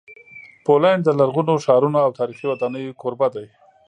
پولینډ د لرغونو ښارونو او تاریخي ودانیو کوربه دی.